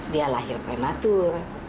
dia lahir prematur